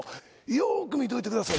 よーく見ておいてください。